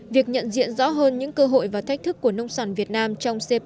việc nhận diện rõ hơn những cơ hội và thách thức của nông sản việt nam trong cptp